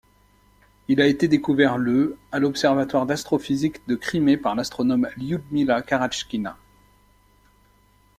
Il a été découvert le à l'observatoire d'astrophysique de Crimée par l'astronome Lioudmila Karatchkina.